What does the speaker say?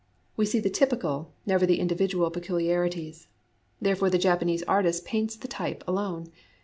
We see the typical, never the individual peculiarities. Therefore the Japanese artist paints the type alone.